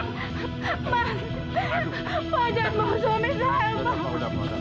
tidak pak tidak